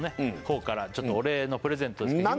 ほうからちょっとお礼のプレゼントですけど